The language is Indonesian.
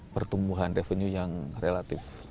pertumbuhan revenue yang relatif